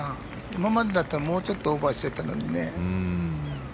今までだったらもうちょっとオーバーしてたのにね。